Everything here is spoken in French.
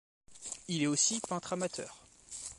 Il est aussi peintre amateur.